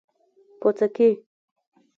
🍄🟫 پوڅکي